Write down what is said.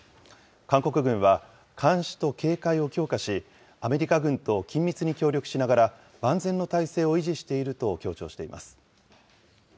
韓国軍は監視と警戒を強化し、アメリカ軍と緊密に協力しながら、万全の態勢を維持していると強調しています。